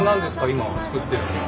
今作ってるのは。